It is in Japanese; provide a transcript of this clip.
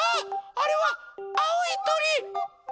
あれはあおいとり！